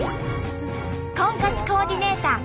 婚活コーディネーター